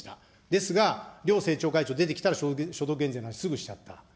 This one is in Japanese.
ですが、両政調会長出てきたら所得減税はすぐしちゃった。